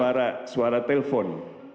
karena ada suara telpon